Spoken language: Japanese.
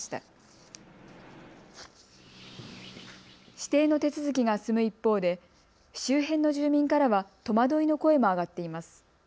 指定の手続きが進む一方で周辺の住民からは戸惑いの声も上がっています。